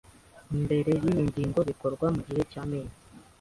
mbere cy iyi ngingo bikorwa mu gihe cy amezi